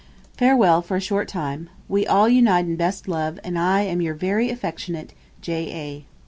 Farewell for a short time. We all unite in best love, and I am your very affectionate 'J. A.'